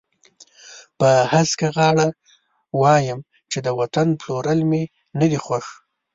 په هسکه غاړه وایم چې د وطن پلورل مې نه دي خوښ.